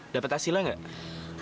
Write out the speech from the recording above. dapet hasilnya nggak